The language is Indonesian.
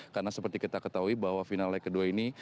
karena seperti kita ketahui bahwa final lag kedua ini